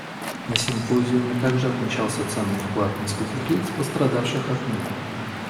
На симпозиуме также отмечался ценный вклад нескольких лиц, пострадавших от мин.